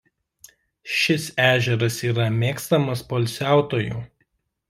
Šis ežeras yra mėgstamas poilsiautojų.